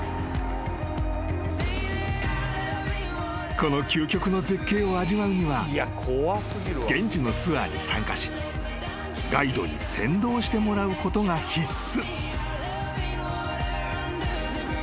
［この究極の絶景を味わうには現地のツアーに参加しガイドに先導してもらうことが必須］